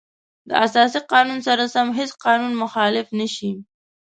د اساسي قانون سره سم هیڅ قانون مخالف نشي.